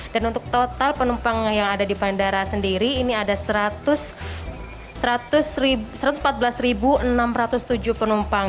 dan untuk total penumpang yang ada di bandara sendiri ini ada satu ratus empat belas enam ratus tujuh penumpang